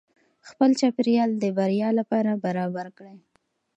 خپل چاپیریال د بریا لپاره برابر کړئ.